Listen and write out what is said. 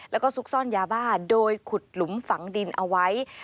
แล้วก็ซุกซ่อนยาบ้าโดยขุดหลุมฝังดินเอาไว้